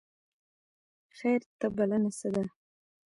خیر ته بلنه څه ده؟